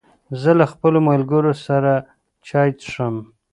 زه له خپلو ملګرو سره چای څښم.